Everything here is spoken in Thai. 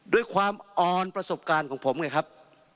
ด้วยความออนประสบการณ์ของผมไงครับ